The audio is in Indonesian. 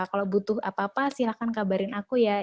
kalau butuh apa apa silahkan kabarin aku ya